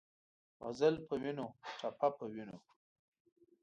غزل پۀ وینو ، ټپه پۀ وینو